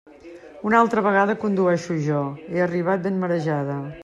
Una altra vegada condueixo jo; he arribat ben marejada.